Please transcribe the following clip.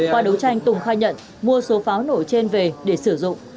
qua đấu tranh tùng khai nhận mua số pháo nổ trên về để sử dụng